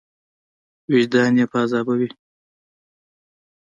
وجدان یې په عذابوي.